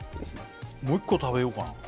もう一個食べようかな